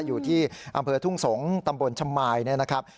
อยู่ที่อำเภอทุ่งสงตำบลชมายนะครับ